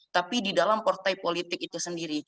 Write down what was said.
tapi di dalam partai politik itu sendiri